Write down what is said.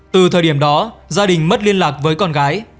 từ thời điểm đó gia đình mất liên lạc với con gái